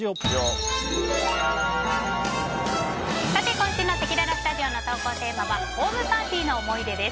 今週のせきららスタジオの投稿テーマはホームパーティーの思い出です。